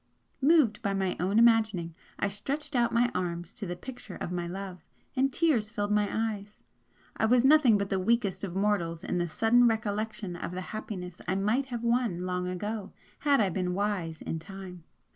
Moved by my own imagining, I stretched out my arms to the picture of my love, and tears filled my eyes. I was nothing but the weakest of mortals in the sudden recollection of the happiness I might have won long ago had I been wise in time!